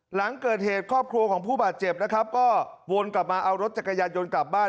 หลังเกิดเหตุครอบครัวของผู้บาดเจ็บนะครับก็วนกลับมาเอารถจักรยานยนต์กลับบ้าน